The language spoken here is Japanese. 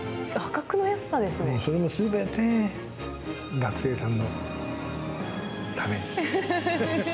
それも全て学生さんのために。